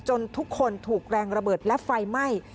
ทุกคนถูกแรงระเบิดและไฟไหม้